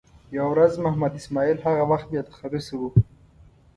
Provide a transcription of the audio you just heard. یوه ورځ محمد اسماعیل هغه وخت بې تخلصه و.